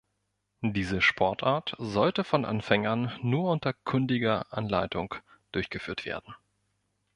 Diese Sportart sollte von Anfängern nur unter kundiger Anleitung durchgeführt werden.